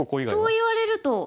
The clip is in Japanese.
そう言われると。